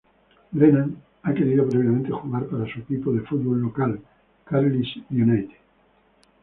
Brennan ha querido previamente jugar para su equipo de fútbol local Carlisle United.